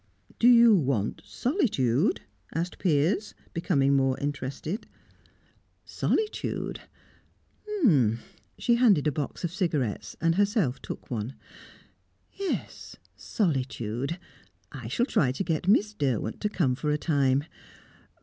"Do you want solitude?" asked Piers, becoming more interested. "Solitude? H'm!" She handed a box of cigarettes, and herself took one. "Yes, solitude. I shall try to get Miss Derwent to come for a time.